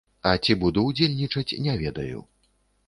А ці буду ўдзельнічаць, не ведаю.